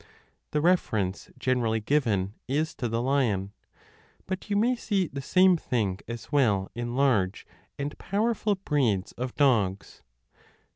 The reference generally given is to the lion, but you may see the same thing as well in large and powerful breeds of dogs.